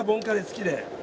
好きで。